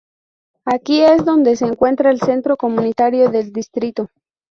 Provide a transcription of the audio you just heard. Aquí es donde se encuentra el centro comunitario del distrito.